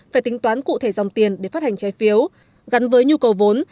phải tính toán cụ thể dòng tiền để phát hành trái phiếu gắn với nhu cầu vốn